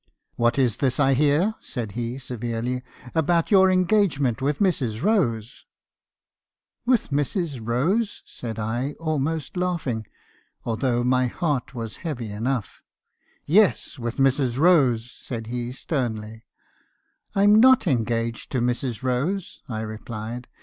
"'What is this I hear,' said he, severely, 'about your engagement with Mrs. Rose?' me. hakkison's confessions. 29 & "'With Mrs. Rose!' said I, almost laughing , although my heart was heavy enough. "'Yes! with Mrs. Rose!' said he, sternly. "'I'm not engaged to Mrs. Rose,' I replied.